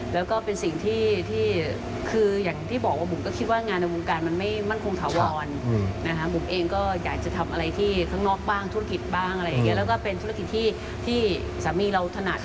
แล้วก็เป็นธุรกิจที่สามีเราถนัด